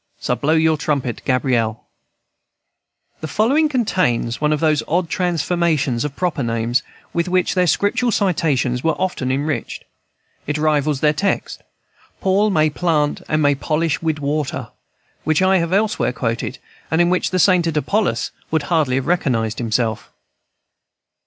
So blow your trumpet, Gabriel," &c. The following contains one of those odd transformations of proper names with which their Scriptural citations were often enriched. It rivals their text, "Paul may plant, and may polish wid water," which I have elsewhere quoted, and in which the sainted Apollos would hardly have recognized himself.